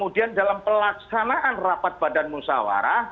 untuk pelaksanaan rapat badan musyawarah